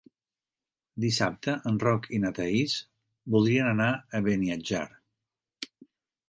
Dissabte en Roc i na Thaís voldrien anar a Beniatjar.